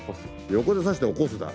横で刺して起こすだ。